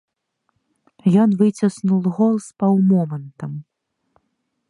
Ён выціснуў гол з паўмомантам.